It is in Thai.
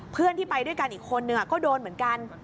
เพื่อนที่ไปด้วยกันอีกคนนึงก็โดนเหมือนกัน